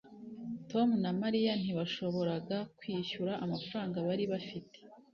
tom na mariya ntibashoboraga kwishyura amafaranga bari bafite